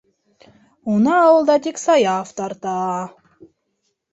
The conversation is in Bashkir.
Уны ауылда тик Саяф тарта!